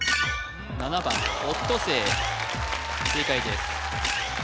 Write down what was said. ７番オットセイ正解です